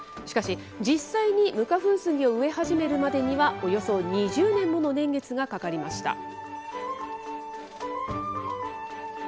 しかし、実際に無花粉スギを植え始めるまでには、およそ２０年もの年月がかかりました。